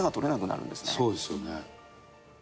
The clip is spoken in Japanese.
そうですよね。